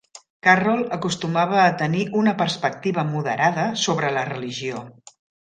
Carroll acostumava a tenir una perspectiva moderada sobre la religió.